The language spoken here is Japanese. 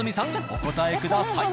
お答えください。